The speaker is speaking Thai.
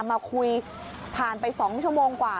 มาคุยผ่านไป๒ชั่วโมงกว่า